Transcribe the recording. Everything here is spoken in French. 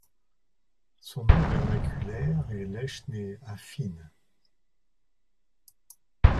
Son nom vernaculaire est læschne affine.